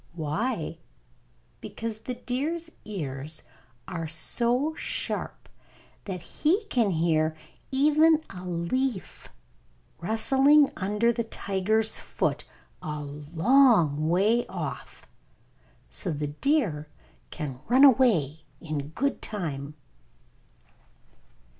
Why? Because the deer's ears are so sharp that he can hear even a leaf rustling under the tiger's foot, a long way off. So the deer can run away in good time.